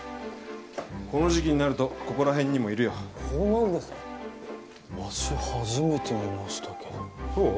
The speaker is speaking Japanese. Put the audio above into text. この時季になるとここら辺にもいるよほうなんですかわし初めて見ましたけどそう？